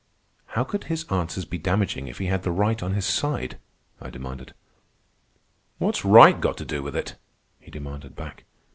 "How could his answers be damaging if he had the right on his side?" I demanded. "What's right got to do with it?" he demanded back.